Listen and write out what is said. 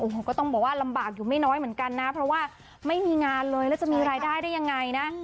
โอ้โหก็ต้องบอกว่าลำบากอยู่ไม่น้อยเหมือนกันนะเพราะว่าไม่มีงานเลยแล้วจะมีรายได้ได้ยังไงนะ